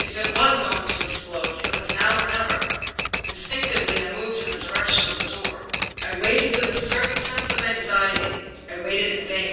If it was going to explode, it was now or never. Instinctively I moved in the direction of the door. I waited with a certain sense of anxiety. I waited in vain.